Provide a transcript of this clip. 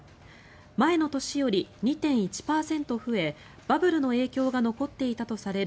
前の年より２．１％増えバブルの影響が残っていたとされる